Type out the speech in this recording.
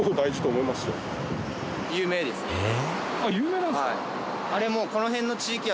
有名なんですか？